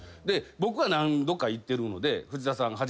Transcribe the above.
僕は何度か行ってるので藤田さん